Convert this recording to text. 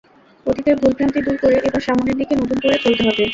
অতীতের ভুলভ্রান্তি দূর করে এবার সামনের দিকে নতুন করে চলতে হবে।